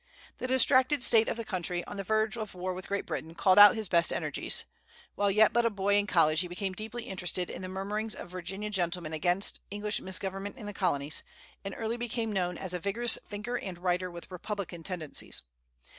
The distracted state of the country, on the verge of war with Great Britain, called out his best energies. While yet but a boy in college he became deeply interested in the murmurings of Virginia gentlemen against English misgovernment in the Colonies, and early became known as a vigorous thinker and writer with republican tendencies.